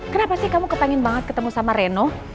kenapa sih kamu kepengen banget ketemu sama reno